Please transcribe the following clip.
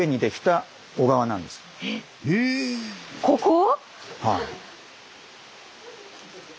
ここ⁉はい。